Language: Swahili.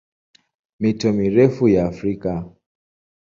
Mito mirefu ya Afrika